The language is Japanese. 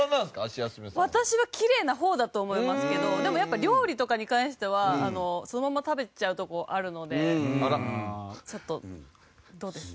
私はきれいな方だと思いますけどでもやっぱ料理とかに関してはそのまま食べちゃうとこあるのでちょっとどうです？